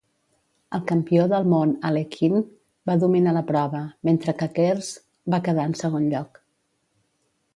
El campió del món Alekhine va dominar la prova, mentre que Keres va quedar en segon lloc.